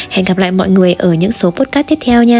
hẹn gặp lại mọi người ở những số podcast tiếp theo nha bye